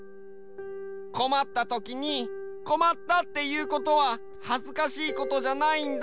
こまったときにこまったっていうことははずかしいことじゃないんだよ。